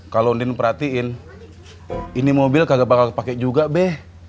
kalau undin perhatiin ini mobil kagak bakal pake juga be